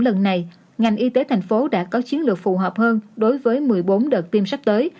phần này ngành y tế tp hcm đã có chiến lược phù hợp hơn đối với một mươi bốn đợt tiêm sắp tới